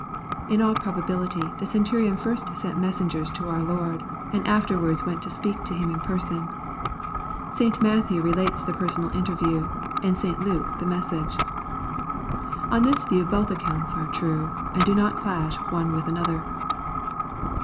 In all probability the Centurion first sent messengers to our Lord, and afterwards went to speak to Him in person. St Matthew relates the personal interview, and St Luke the message. On Uiia view both accounts are true, and do not clash with one another.